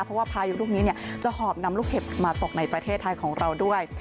เพราะว่าพายุลูกนี้จะหอบนำลูกเห็บมาตกในประเทศไทยของเราด้วย